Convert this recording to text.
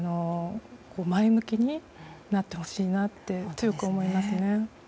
前向きになってほしいなと強く思いますね。